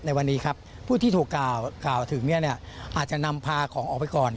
ในวันนี้ถูกกล่าวถึงนี้อาจจะพาของออกไปก่อน